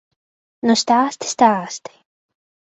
Nu stāsti, stāsti!